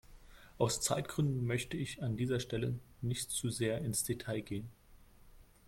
Aus Zeitgründen möchte ich an dieser Stelle nicht zu sehr ins Detail gehen.